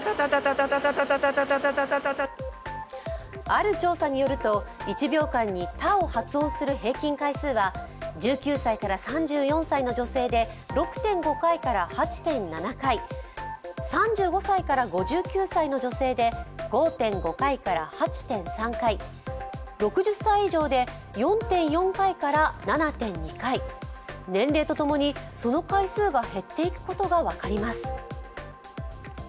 ある調査によると、１秒間に「タ」を発音する平均回数は１９歳から３４歳の女性で６．５回から８．７回、３５歳から５９歳女性で５．５回から８．３回６０歳以上で４．４回から７．２回、年齢と共にその回数が減っていくことが分かります。